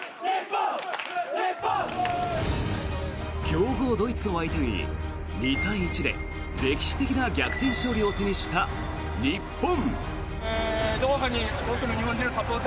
強豪ドイツを相手に２対１で歴史的な逆転勝利を手にした日本。